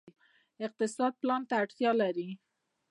اقتصاد پلان ته اړتیا لري